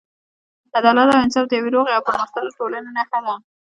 عدالت او انصاف د یوې روغې او پرمختللې ټولنې نښه ده.